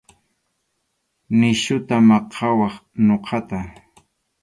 Nisyuta maqawaq ñuqata.